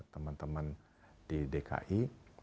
teman teman di dki